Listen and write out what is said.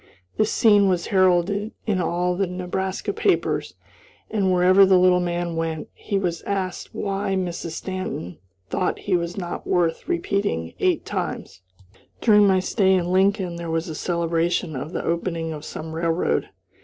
This scene was heralded in all the Nebraska papers, and, wherever the little man went, he was asked why Mrs. Stanton thought he was not worth repeating eight times. During my stay in Lincoln there was a celebration of the opening of some railroad.